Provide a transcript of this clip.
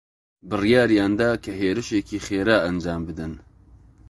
بڕیاریان دا کە هێرشێکی خێرا ئەنجام بدەن.